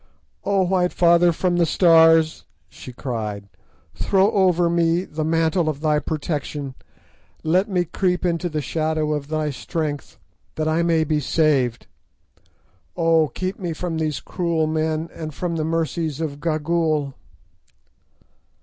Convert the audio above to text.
"Oh, white father from the Stars!" she cried, "throw over me the mantle of thy protection; let me creep into the shadow of thy strength, that I may be saved. Oh, keep me from these cruel men and from the mercies of Gagool!"